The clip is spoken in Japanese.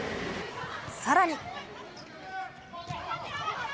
さらに。